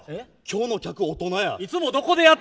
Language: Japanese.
今日の客、大人や。